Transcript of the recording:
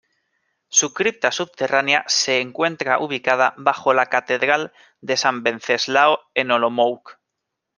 Su cripta subterránea se encuentra ubicada bajo la Catedral de San Venceslao en Olomouc.